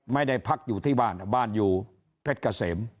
ไม่ได้พักอยู่ที่บ้านบ้านอยู่เพชรเกษม